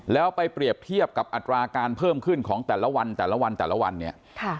แล้วไปเปรียบเทียบกับอัตราการเพิ่มขึ้นของแต่ละวันแต่ละวันแต่ละวันเนี่ย